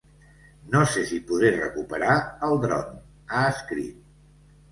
No sé si podré recuperar el dron, ha escrit.